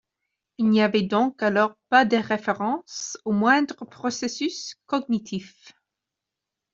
Il n'y avait donc alors pas de référence au moindre processus cognitif.